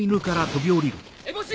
エボシ！